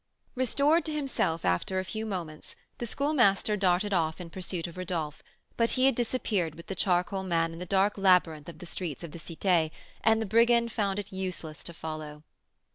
Restored to himself after a few moments, the Schoolmaster darted off in pursuit of Rodolph, but he had disappeared with the charcoal man in the dark labyrinth of the streets of the Cité, and the brigand found it useless to follow.